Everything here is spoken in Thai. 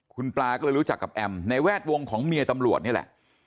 คุณปลาก็เลยรู้จักกับแอมในแวดวงของเมียตำรวจนี่แหละ